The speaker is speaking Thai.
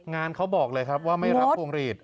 งานเขาบอกเลยครับว่าไม่รับพวงหลีด